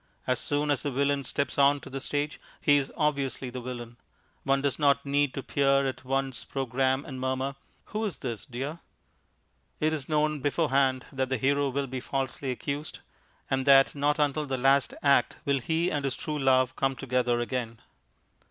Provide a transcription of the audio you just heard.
As soon as the Villain steps on to the stage he is obviously the Villain; one does not need to peer at one's programme and murmur, "Who is this, dear?" It is known beforehand that the Hero will be falsely accused, and that not until the last act will he and his true love come together again.